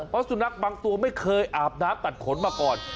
เพราะสุนัขบางตัวไม่เคยอาบน้ำตัดขนมาก่อน